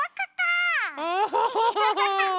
アハハハ！